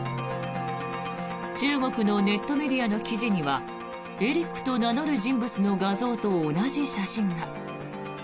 中国のネットメディアの記事にはエリックと名乗る人物の画像と同じ写真が。